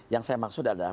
yang saya maksud adalah